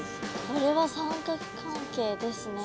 これは三角関係ですね。